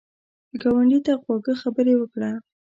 ګاونډي ته خواږه خبرې وکړه